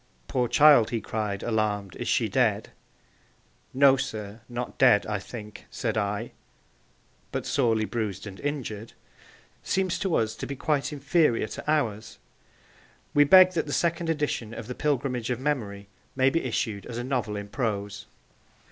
'Poor child,' he cried, alarmed, 'is she dead?' 'No, sir; not dead, I think,' said I, 'But sorely bruised and injured,' seems to us to be quite inferior to ours. We beg that the second edition of The Pilgrimage of Memory may be issued as a novel in prose.